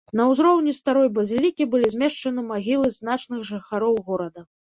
На ўзроўні старой базілікі былі змешчаны магілы значных жыхароў горада.